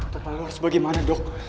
terpaksa bagaimana dok